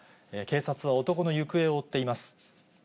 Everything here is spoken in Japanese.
警察は男の行方を追っています。